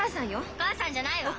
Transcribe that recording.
お母さんじゃないわ。